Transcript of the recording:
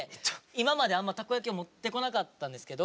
今まであんまたこ焼きを持ってこなかったんですけど。